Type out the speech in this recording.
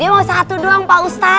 ini mau satu doang pak ustadz